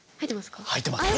入ってますか？